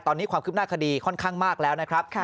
ตอนนี้ความคืบหน้าคดีค่อนข้างมากแล้วนะครับ